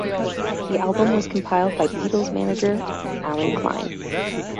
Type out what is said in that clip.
The album was compiled by Beatles manager Allen Klein.